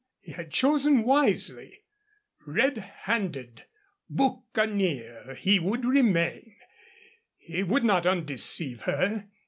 He had chosen wisely. Red handed boucanier he would remain. He would not undeceive her.